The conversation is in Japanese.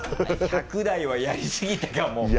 「１００台はやりすぎたかも」。